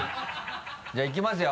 じゃあいきますよ。